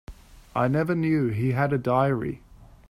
I never knew he had a diary.